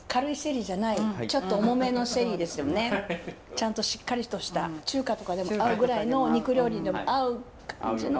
ちゃんとしっかりとした中華とかでも合うぐらいのお肉料理にでも合う感じの。